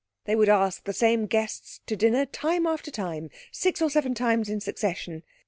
They would ask the same guests to dinner time after time, six or seven times in succession.